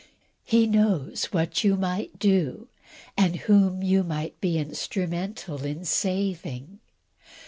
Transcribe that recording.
He knows what you might do, and whom you might be instrumental in saving!